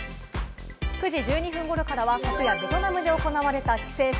９時１２分頃からは昨夜ベトナムで行われた棋聖戦